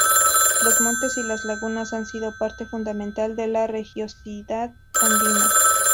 Los montes y las lagunas han sido parte fundamental de la religiosidad andina.